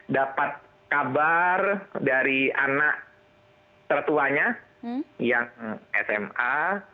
dapat kabar dari anak tertuanya yang sma